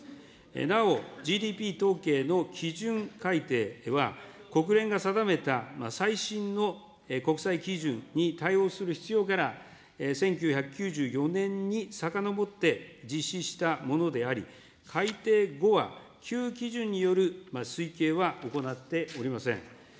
なおＧＤＰ統計の基準改定は、国連が定めた最新の国際基準に対応する必要から、１９９４年にさかのぼって実施したものであり、改定後は旧基準による推計は行っておりません。